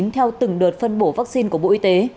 theo từng đợt phân bổ vaccine của bộ y tế